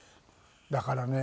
だからね